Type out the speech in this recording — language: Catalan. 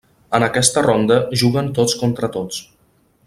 En aquesta ronda juguen tots contra tots.